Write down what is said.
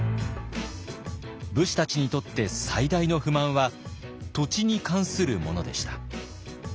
武士たちにとって最大の不満は土地に関するものでした。